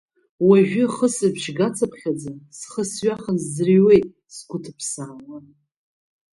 Уажәы ахысыбжь гацыԥхьаӡа схы сҩаханы сӡырҩуеит, сгәы ҭыԥсаауа.